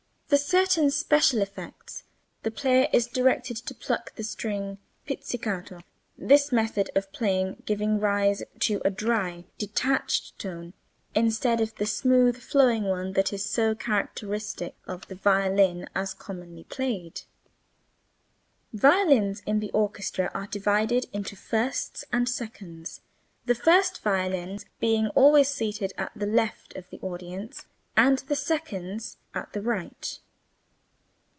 For certain special effects the player is directed to pluck the string (pizzicato), this method of playing giving rise to a dry, detached tone instead of the smooth, flowing one that is so characteristic of the violin as commonly played. Violins in the orchestra are divided into firsts and seconds, the first violins being always seated at the left of the audience and the seconds at the right.